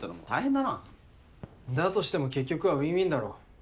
だとしても結局はウィンウィンだろ。